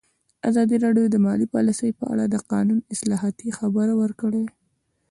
ازادي راډیو د مالي پالیسي په اړه د قانوني اصلاحاتو خبر ورکړی.